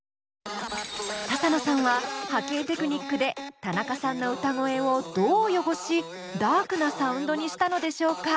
ササノさんは波形テクニックでたなかさんの歌声をどう汚しダークなサウンドにしたのでしょうか？